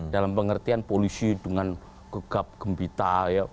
dalam pengertian polisi dengan gegap gembita